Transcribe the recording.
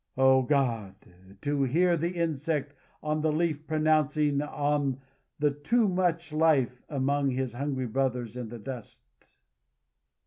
Oh, God! to hear the insect on the leaf pronouncing on the too much life among his hungry brothers in the dust!"